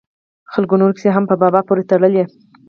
خلکو نورې کیسې هم په بابا پورې تړل.